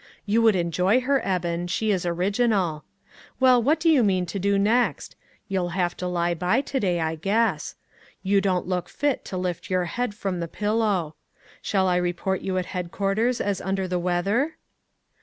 You would enjoy her, Eben ; she is original. Well, what do you mean to do next ? You'll have to lie by to day, I guess. You don't look fit to lift your head from the pillow. Shall I report you at head quarters as under the weather?"